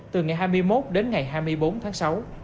từ ngày hai mươi một đến ngày hai mươi bốn tháng sáu